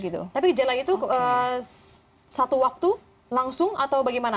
tapi gejala itu satu waktu langsung atau bagaimana